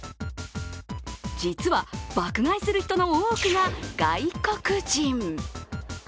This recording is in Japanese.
実は爆買いする人の多くが外国人。